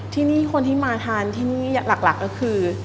ที่นี่คนที่มาทานที่นี่หลักก็คือ